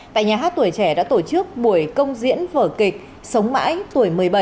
tại nhà hát tuổi trẻ đã tổ chức buổi công diễn vở kịch sống mãi tuổi một mươi bảy